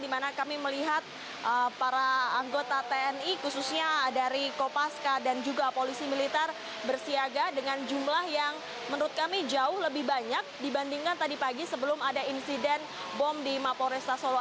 di mana kami melihat para anggota tni khususnya dari kopaska dan juga polisi militer bersiaga dengan jumlah yang menurut kami jauh lebih banyak dibandingkan tadi pagi sebelum ada insiden bom di mapo resta solo